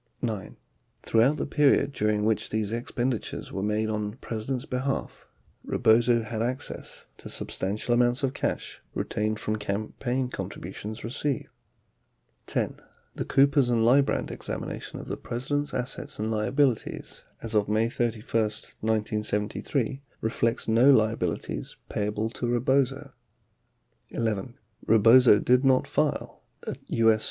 9. Throughout the period during which these expenditures were made on the President's behalf, Rebozo had access to sub stantial amounts of cash retained from campaign contributions received. 10. The Coopers & Lybrand examination of the President's assets and liabilities as of May 31, 1973, reflects no liabilities pay able to Rebozo. 11. Rebozo did not file a U.S.